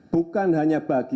bukan hanya bagi